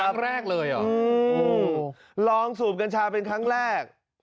ครั้งแรกเลยเหรอลองสูบกัญชาเป็นครั้งแรก